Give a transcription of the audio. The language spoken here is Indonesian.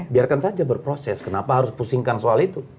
biarkan saja berproses kenapa harus pusingkan soal itu